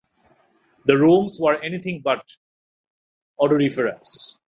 The rooms were anything but odoriferous.